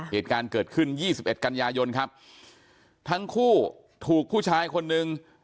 เหตุการณ์เกิดขึ้นยี่สิบเอ็ดกันยายนครับทั้งคู่ถูกผู้ชายคนนึง